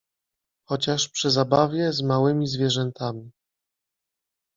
Chociaż przy zabawie z małymi zwie rzętami.